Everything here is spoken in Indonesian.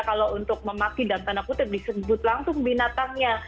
kalau untuk memaki dalam tanda kutip disebut langsung binatangnya